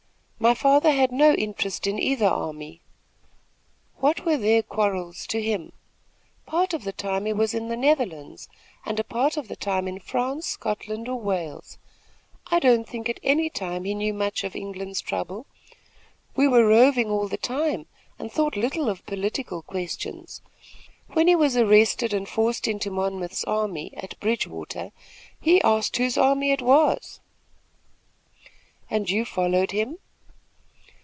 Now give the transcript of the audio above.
My father had no interest in either army. What were their quarrels to him? Part of the time he was in the Netherlands, and a part of the time in France, Scotland or Wales. I don't think at any time he knew much of England's trouble. We were roving all the time and thought little of political questions. When he was arrested and forced into Monmouth's army, at Bridgewater, he asked whose army it was." "And you followed him?"